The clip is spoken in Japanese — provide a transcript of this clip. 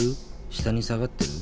下に下がってる？